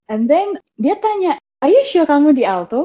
and then dia tanya are you sure kamu di alto